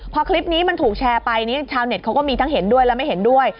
พอคลิปนี้มันถูกแชร์ไปนี่ชาวเน็ตเขาก็มีทั้งเห็นด้วยและไม่เห็นด้วย